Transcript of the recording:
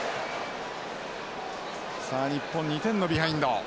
さあ日本２点のビハインド。